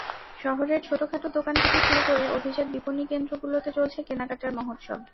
শহরের ছোটখাটো দোকান থেকে শুরু করে অভিজাত বিপণিকেন্দ্রগুলোতে চলছে কেনাকাটার মহোৎসব।